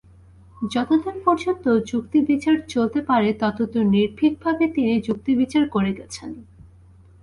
যতদূর পর্যন্ত যুক্তিবিচার চলতে পারে, ততদূর নির্ভীকভাবে তিনি যুক্তিবিচার করে গেছেন।